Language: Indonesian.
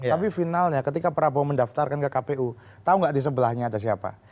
tapi finalnya ketika prabowo mendaftarkan ke kpu tahu nggak di sebelahnya ada siapa